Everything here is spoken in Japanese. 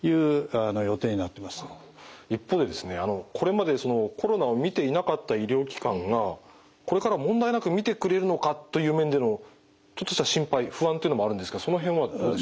これまでコロナを診ていなかった医療機関がこれから問題なく診てくれるのかという面でのちょっとした心配不安っていうのもあるんですがその辺はどうでしょう？